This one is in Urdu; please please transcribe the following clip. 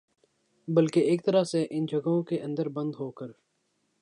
بلکہ ایک طرح سے ان جگہوں کے اندر بند ہوکر